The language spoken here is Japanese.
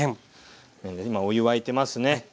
今お湯沸いてますね。